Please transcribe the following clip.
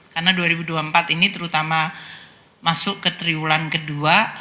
karena dua ribu dua puluh empat ini terutama masuk ke triwulan kedua